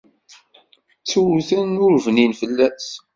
Ttewten, ur bnin fell-as.